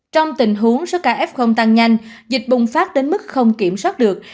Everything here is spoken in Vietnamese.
trong tình huống số ca f tăng nhanh dịch bùng phát đến mức không kiểm soát được